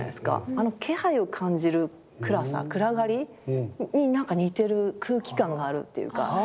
あの気配を感じる暗さ暗がりになんか似てる空気感があるっていうか。